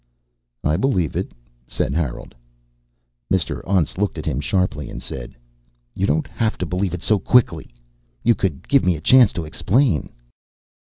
"I believe it," said Harold. Mr. Untz looked at him sharply and said, "You don't have to believe it so quickly. You could give me a chance to explain."